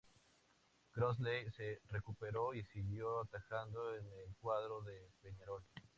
Crossley se recuperó y siguió atajando en el cuadro de Peñarol.